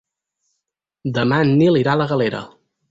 Demà en Nil irà a la Galera.